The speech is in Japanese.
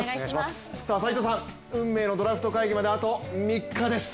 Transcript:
斎藤さん、運命のドラフト会議まで、あと３日です。